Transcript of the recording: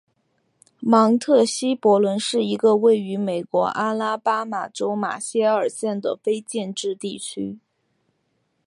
芒特希伯伦是一个位于美国阿拉巴马州马歇尔县的非建制地区。